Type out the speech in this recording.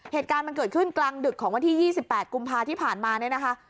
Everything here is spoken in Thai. เหตุการณ์มันเกิดขึ้นกลางดึกของวันที่๒๘กุมภาที่ผ่านมาเนี่ยนะคะ